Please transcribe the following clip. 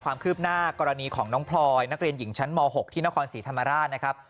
ความคืบหน้ากรณีของน้องพลอยนักเรียนหญิงชั้นม๖ที่นครศรีธรรมราชนะครับ